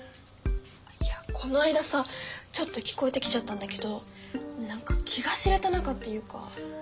いやこの間さちょっと聞こえてきちゃったんだけどなんか気が知れた仲っていうか。